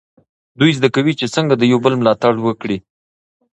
دوی زده کوي چې څنګه د یو بل ملاتړ وکړي.